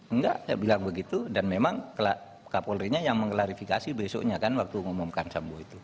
enggak saya bilang begitu dan memang kapolrinya yang mengklarifikasi besoknya kan waktu mengumumkan sambu itu